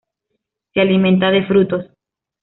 Se alimenta de frutos.